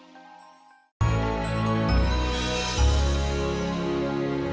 mas ardi kan suka masakan aku